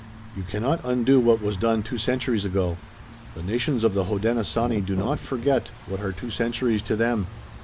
"You cannot undo what was done two centuries ago." "The nations of the Hodenosaunee do not forget, what are two centuries to them?"